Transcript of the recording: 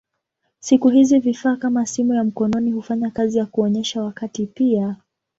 Siku hizi vifaa kama simu ya mkononi hufanya kazi ya kuonyesha wakati pia.